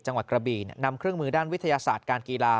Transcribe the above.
กระบี่นำเครื่องมือด้านวิทยาศาสตร์การกีฬา